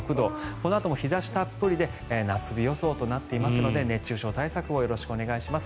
このあとも日差したっぷりで夏日予想となっていますので熱中症対策をよろしくお願いします。